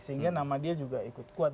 sehingga nama dia juga ikut kuat